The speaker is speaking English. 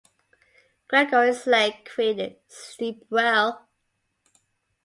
Gregory Slay created "Sleepwell".